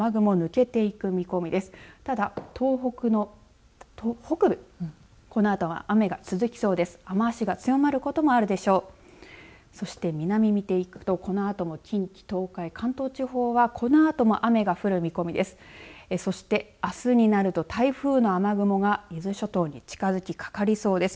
そして南、見ていくとこのあとも近畿、東海、関東地方はこのあとも雨が降る見込みです。